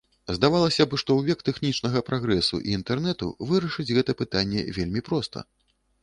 Здавалася б, што ў век тэхнічнага прагрэсу і інтэрнэту вырашыць гэта пытанне вельмі проста.